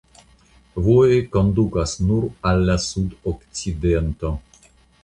Vojoj kondukas nur al la sudokcidento.